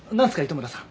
糸村さん。